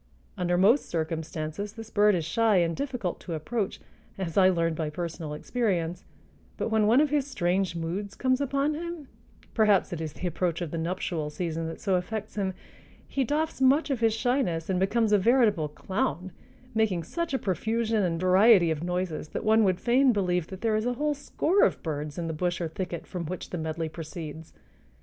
Under most circumstances this bird is shy and difficult to approach, as I learned by personal experience; but when one of his strange moods comes upon him—perhaps it is the approach of the nuptial season that so affects him—he doffs much of his shyness and becomes a veritable clown, making such a profusion and variety of noises that one would fain believe that there is a whole score of birds in the bush or thicket from which the medley proceeds.